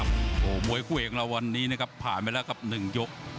บวยผู้เอกเราวันนี้นะครับผ่านไปแล้วกับหนึ่งยก